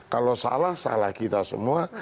kalau salah salah kita semua